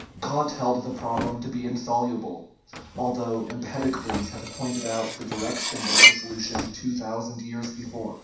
Kant held the problem to be insoluble, although Empedocles had pointed out the direction of the solution two thousand years before.